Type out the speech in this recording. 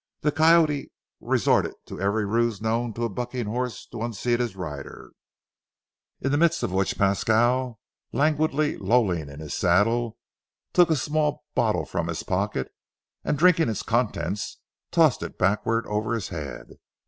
The coyote resorted to every ruse known to a bucking horse to unseat his rider, in the midst of which Pasquale, languidly lolling in his saddle, took a small bottle from his pocket, and, drinking its contents, tossed it backward over his head.